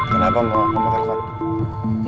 kenapa mau aku ngetelpon